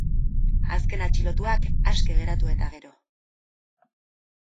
Azken atxilotuak, aske geratu eta gero.